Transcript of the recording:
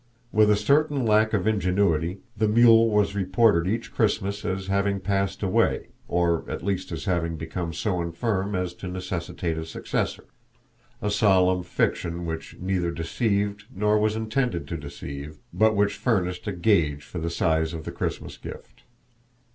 With a certain lack of ingenuity the mule was reported each Christmas as having passed away, or at least as having become so infirm as to necessitate a successor a solemn fiction which neither deceived nor was intended to deceive, but which furnished a gauge for the size of the Christmas gift.